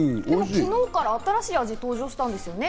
昨日から新しい味が登場したんですよね。